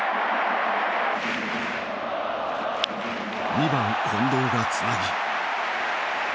２番近藤がつなぎ。